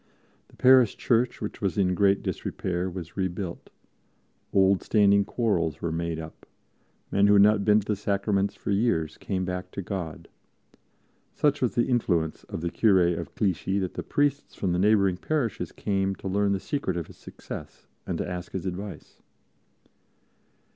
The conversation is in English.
The parish church, which was in great disrepair, was rebuilt; old, standing quarrels were made up; men who had not been to the Sacraments for years came back to God. Such was the influence of the Curé of Clichy that priests from the neighboring parishes came to learn the secret of his success and to ask his advice.